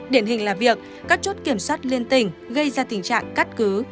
điển hình là việc các chốt kiểm soát liên tình gây ra tình trạng cắt cứ